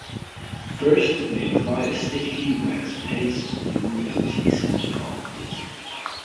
First they apply a sticky wax paste through the empty centre of the disc.